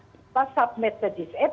kita submit di dis app